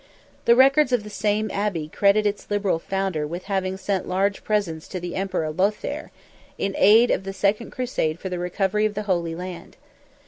The records of the same Abbey credit its liberal founder with having sent large presents to the Emperor Lothaire, in aid of the second crusade for the recovery of the Holy Land.